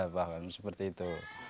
bahkan seperti itu